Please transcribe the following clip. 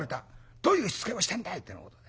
どういう躾をしてんだいってなことで。